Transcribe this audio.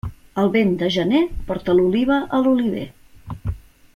El vent de gener porta l'oliva a l'oliver.